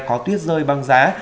có tuyết rơi băng giá